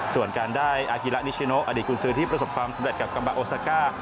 ส่วนการได้อากิระนิชิโนอดีตกุญซื้อที่ประสบความสำเร็จกับกัมบาโอซาก้า